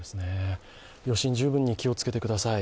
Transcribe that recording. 余震、十分に気をつけてください